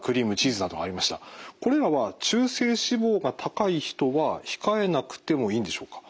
これらは中性脂肪が高い人は控えなくてもいいんでしょうか？